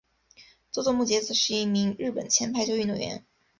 佐佐木节子是一名日本前排球运动员。